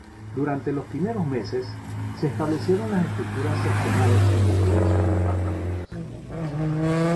Durante los primeros meses, se establecieron las estructuras seccionales en los diversos departamentos.